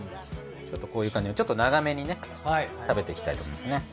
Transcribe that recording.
ちょっとこういう感じのちょっと長めにね食べていきたいです。